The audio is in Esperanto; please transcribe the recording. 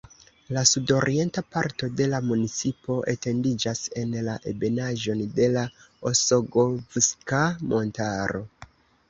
La sudorienta parto de la municipo etendiĝas en la ebenaĵon de la Osogovska Montaro.